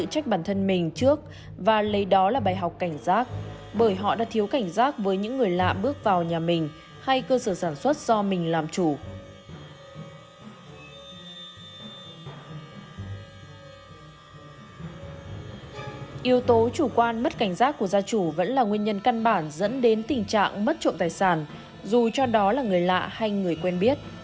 hãy đăng kí cho kênh lalaschool để không bỏ lỡ những video hấp dẫn